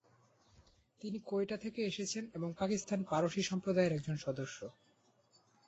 তিনি কোয়েটা থেকে এসেছেন এবং পাকিস্তান পারসি সম্প্রদায় এর একজন সদস্য।